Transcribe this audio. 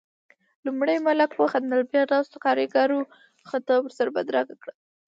لومړی ملک وخندل، بيا ناستو کاريګرو خندا ورسره بدرګه کړه.